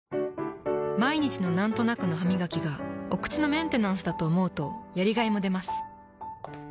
毎日のなんとなくのハミガキがお口のメンテナンスだと思うとやりがいもでます。